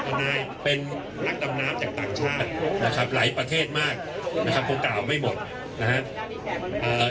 นายเป็นนักดำน้ำจากต่างชาตินะครับหลายประเทศมากนะครับคงกล่าวไม่หมดนะครับ